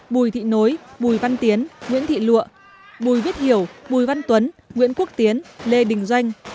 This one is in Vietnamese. bùi thị nối bùi văn tiến nguyễn thị lụa bùi viết hiểu bùi văn tuấn nguyễn quốc tiến lê đình doanh